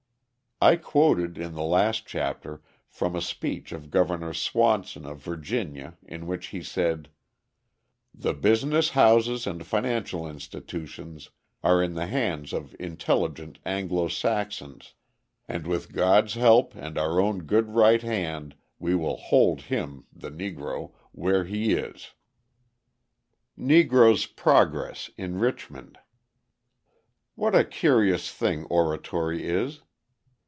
I quoted in the last chapter from a speech of Governor Swanson of Virginia, in which he said: "The business houses and financial institutions are in the hands of intelligent Anglo Saxons, and with God's help and our own good right hand we will hold him (the Negro) where he is." Negro's Progress in Richmond What a curious thing oratory is!